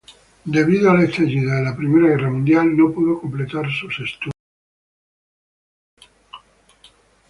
Debido al estallido de la I Guerra Mundial, no pudo completar sus estudios.